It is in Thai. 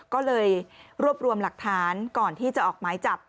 ก็เลยรวบรวมหลักฐานก่อนที่จะออกหมายจับ